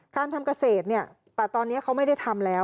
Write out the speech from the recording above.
การทำเกษตรเนี่ยแต่ตอนนี้เขาไม่ได้ทำแล้ว